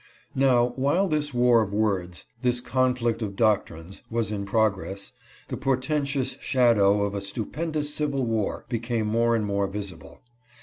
Now, while this war of words — this conflict of doctrines — was in progress, the portentous shadow of a stupendous civil war became more and more visible.